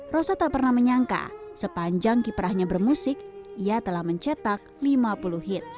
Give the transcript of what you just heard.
rosa tak pernah menyangka sepanjang kiprahnya bermusik ia telah mencetak lima puluh hits